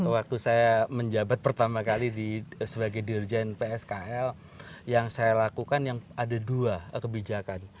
waktu saya menjabat pertama kali sebagai dirjen pskl yang saya lakukan yang ada dua kebijakan